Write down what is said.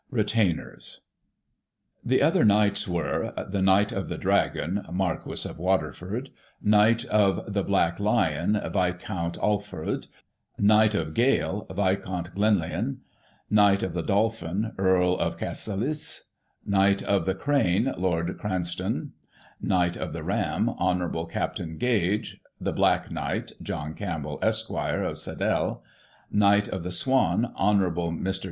Retainers " The Other Knights were: — The Knight of the Dragon, Marquis of Waterford; Knight of the Black Lion, Viscount Alford; Knight of Gael, Viscount Glen LYON ; Knight of the Dolphin, Earl OF CasSILIS ; Knight of the Crane, Lord Cranstoun ; Knight of the Ram, Hon. Capt. Gage ; The Black Knight, JOHN CAMPBELL, ESQ., of Saddell ; Knight of the Swan, HON. Mr.